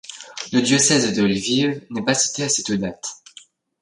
Le diocèse de Lviv n'est pas cité à cette date.